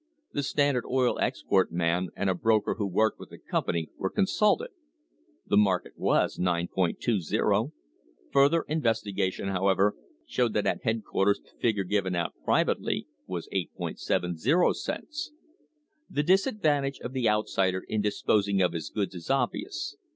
The Standard Oil export man and a broker who worked with the company were consulted. The market was 9.20. Further investigation, however, showed that at headquarters the fig ure given out privately was 8.70 cents. The disadvantage of the outsider in disposing of his goods is obvious.